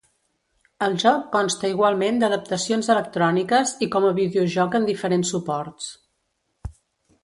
El joc consta igualment d'adaptacions electròniques i com a videojoc en diferents suports.